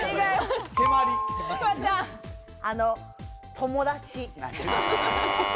友達。